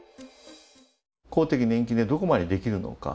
公的年金でどこまでできるのか。